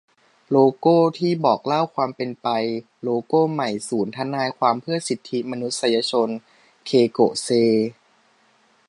โลโก้ที่บอกเล่าความเป็นไป : โลโก้ใหม่ศูนย์ทนายความเพื่อสิทธิมนุษยชน - เคโกะ เซ